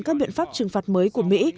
các biện pháp trừng phạt mới của mỹ